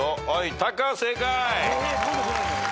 タカ正解。